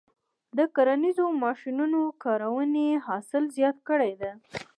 د کرنیزو ماشینونو کارونې حاصل زیات کړی دی.